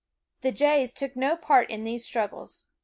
The jays took no part in these struggles.